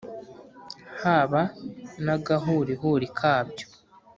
haba n’agahurihuri kabyo.